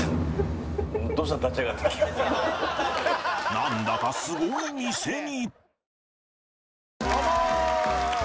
なんだかすごい店に